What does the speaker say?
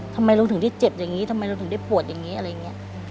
ทำไมเราถึงได้เจ็บอย่างนี้ทำไมเราถึงได้ปวดอย่างนี้อะไรอย่างนี้